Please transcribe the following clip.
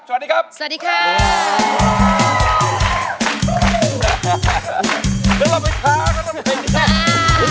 สวัสดีครับ